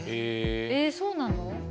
えそうなの？